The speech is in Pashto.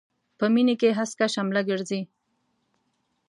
په مينې کې هسکه شمله ګرځي.